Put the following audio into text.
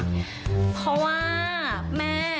เพราะว่าแม่